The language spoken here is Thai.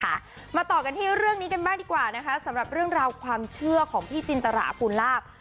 มาต่อกันที่เรื่องนี้กันบ้างดีกว่านะคะสำหรับเรื่องราวความเชื่อของพี่จินตราภูลาภ